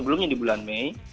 sebelumnya di bulan mei